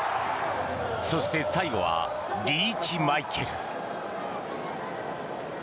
そして最後はリーチマイケル。